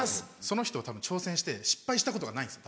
その人はたぶん挑戦して失敗したことがないんです。